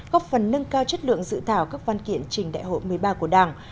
góp phần nâng cao chất lượng dự thảo các văn kiện trình đại hội một mươi ba của đảng